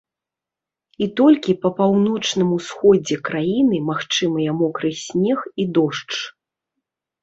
І толькі па паўночным усходзе краіны магчымыя мокры снег і дождж.